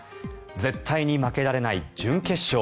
絶対に負けられない準決勝。